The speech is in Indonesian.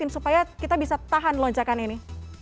supaya kita bisa tahan lonjakan ini